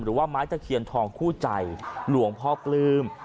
หรือว่าไม้ตะเคียนทองคู่ใจหลวงพ่อปลื้ม